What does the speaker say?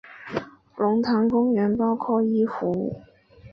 龙潭公园包括一湖。